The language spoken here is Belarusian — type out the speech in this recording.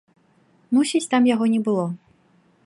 Мусіць, там яго не было.